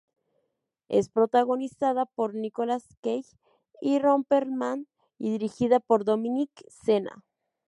Es protagonizada por Nicolas Cage y Ron Perlman, y dirigida por Dominic Sena.